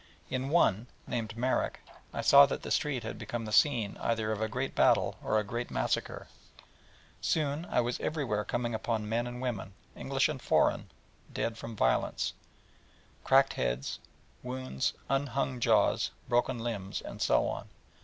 In one, named Marrick, I saw that the street had become the scene either of a great battle or a great massacre; and soon I was everywhere coming upon men and women, English and foreign, dead from violence: cracked heads, wounds, unhung jaws, broken limbs, and so on.